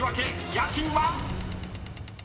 ［家賃は⁉］